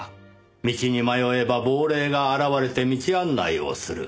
道に迷えば亡霊が現れて道案内をする。